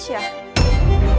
tapi lo masih hidup